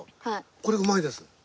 これうまいです。